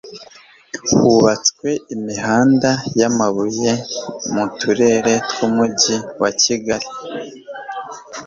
hubatswe imihanda y' amabuye mu turere tw'umujyi wa kigali